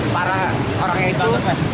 para orangnya itu